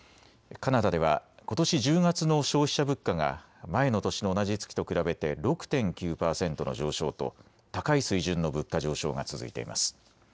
カナダではことし１０月の消費者物価が前の年の同じ月と比べて６．９％の上昇と高い水準の物価上昇が続いています。